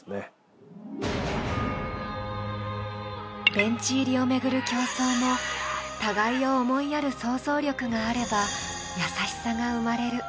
ベンチ入りを巡る競争も、互いを思いやる想像力があれば優しさが生まれる。